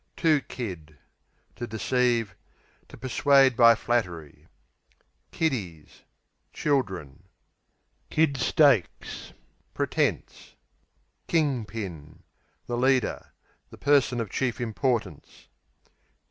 Kid, to To deceive; to persuade by flattery. Kiddies Children. Kid Stakes Pretence. King Pin The leader; the person of chief importance.